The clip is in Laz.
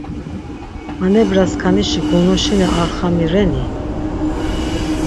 Manebraskanişi gonoşine ar xami reni?